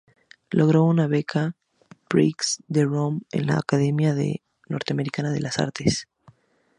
Logró una beca "Prix de Rome" de la Academia Norteamericana de las Artes.